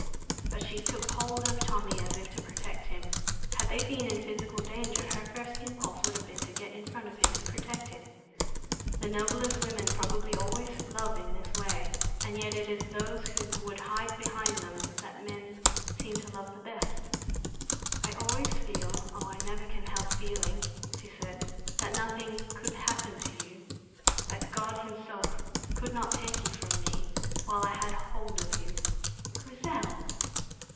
But she took hold of Tommy as if to protect him. Had they been in physical danger, her first impulse would have been to get in front of him to protect him. The noblest women probably always love in this way, and yet it is those who would hide behind them that men seem to love the best. "I always feel oh, I never can help feeling," she said, "that nothing could happen to you, that God Himself could not take you from me, while I had hold of you." "Grizel!"